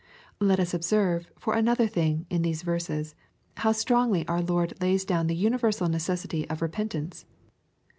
Let us observe, for another thing, in these verses, how strongly our Lord lays down the universal necessity of repentance.